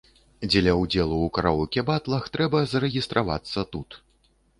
Дзеля ўдзелу ў караоке-батлах трэба зарэгістравацца тут.